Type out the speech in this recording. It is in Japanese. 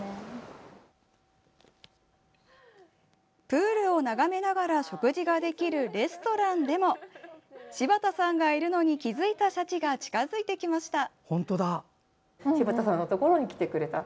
プールを眺めながら食事ができるレストランでも柴田さんがいるのに気づいたシャチが近づいてきました。